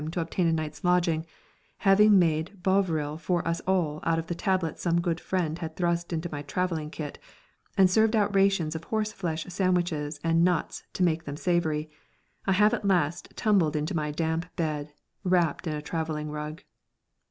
to obtain a night's lodging, having made bovril for us all out of the tablets some good friend had thrust into my travelling kit, and served out rations of horse flesh sandwiches and nuts to make them savoury, I have at last tumbled into my damp bed, wrapped in a travelling rug.